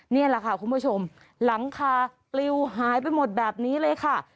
นี่แหละค่ะคุณผู้ชมหลังคาปลิวหายไปหมดแบบนี้เลยค่ะ